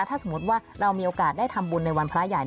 ถ้าสมมุติว่าเรามีโอกาสได้ทำบุญในวันพระใหญ่